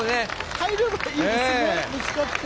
入ればいいんですけどね、ぶつかって。